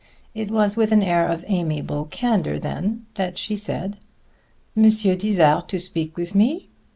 It was with an air of amiable candor, then, that she said, "Monsieur desire to speak with me?"